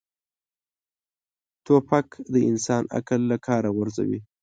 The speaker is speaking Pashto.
توپک د انسان عقل له کاره غورځوي.